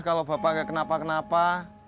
kalau bapak kayak kenapa kenapa